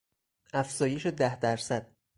افزایش ده درصد